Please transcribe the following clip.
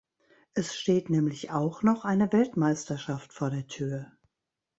Es steht nämlich auch noch eine Weltmeisterschaft vor der Tür.